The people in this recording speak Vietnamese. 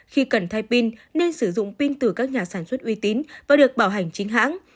khi cần thay pin nên sử dụng pin từ các nhà sản xuất uy tín và được bảo hành chính hãng